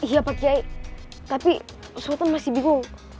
iya pak kiai tapi sultan masih bingung